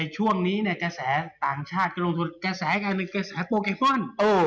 ช่วงนี้กระแสต่างชาติกระแสกระแสโปเคมอน